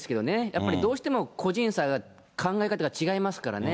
やっぱりどうしても、個人差、考え方が違いますからね。